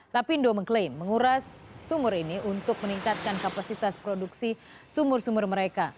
lapindo mengklaim menguras sumur ini untuk meningkatkan kapasitas produksi sumur sumur mereka